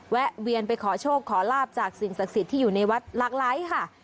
แวะเวียนไปขอโชคขอลาบจากสิ่งศักดิ์สิทธิ์ที่อยู่ในวัดหลากหลายค่ะ